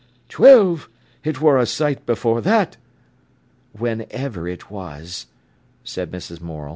"Twelve! It wor a sight afore that!" "Whenever it was," said Mrs. Morel.